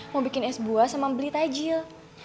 mau bikin es buah sama beli tajil